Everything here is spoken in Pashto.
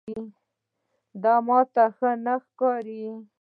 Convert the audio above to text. دا ماته ښه نه ښکاري.